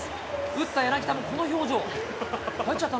打った柳田もこの表情。